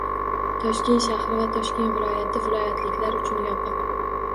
Toshkent shahri va Toshkent viloyati «viloyatliklar» uchun yopiq!